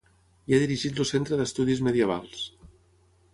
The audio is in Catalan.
Hi ha dirigit el Centre d'Estudis Medievals.